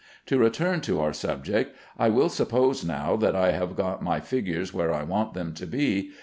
To return to our subject. I will suppose now that I have got my figures where I want them to be.